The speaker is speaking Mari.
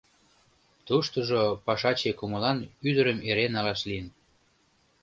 Туштыжо пашаче кумылан ӱдырым эре налаш лийын.